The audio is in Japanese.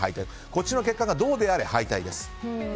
こっちの結果がどうであれ敗退です。